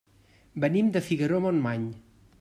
Venim de Figaró-Montmany.